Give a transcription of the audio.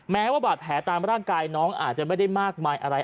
แม้ว่าบาดแผลตามร่างกายน้องอาจจะไม่ได้มากมายอะไร